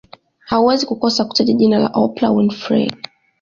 Hauwezi kukosa kutaja jina la Oprah Winfrey